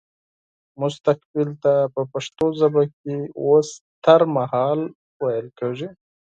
مستقبل ته په پښتو ژبه کې وستهرمهال ويل کيږي